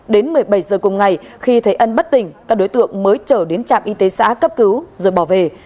đến một mươi bảy giờ cùng ngày khi thấy ân bất tỉnh các đối tượng mới trở đến trạm y tế xã cấp cứu rồi bỏ về